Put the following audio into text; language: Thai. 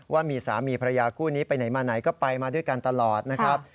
ว่ามีสามีภรรยาคู่นี้ไปไหนมาไหนก็ไปมาด้วยกันตลอดนะครับ